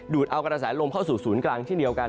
เอากระแสลมเข้าสู่ศูนย์กลางเช่นเดียวกัน